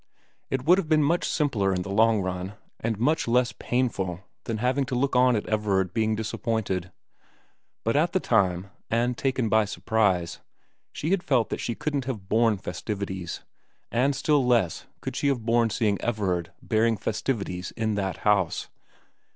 It would have been much simpler in the long run, and much less painful than having to look on at Everard being disappointed ; but at the time, and taken by surprise, she had felt that she couldn't have borne festivities, and still less could she have borne seeing Everard bearing festivities in that house.